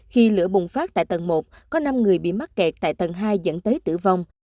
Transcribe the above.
khi lửa bùng phát tại tầng một có năm người bị mắc kẹt tại tầng hai dẫn tới tử vong